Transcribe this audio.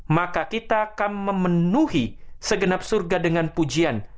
maka kita akan memenuhi segenap surga dengan pujian